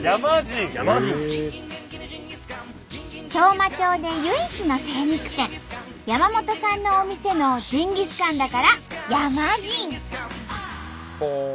当麻町で唯一の精肉店山本さんのお店のジンギスカンだからヤマジン。